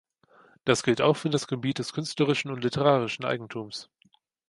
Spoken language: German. Dies gilt auch für das Gebiet des künstlerischen und literarischen Eigentums.